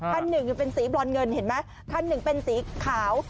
คันหนึ่งเป็นสีบรอนเงินเห็นไหมคันหนึ่งเป็นสีขาว